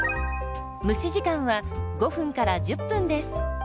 蒸し時間は５１０分です。